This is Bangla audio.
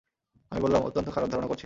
আমি বললাম, অত্যন্ত খারাপ ধারণা করছি।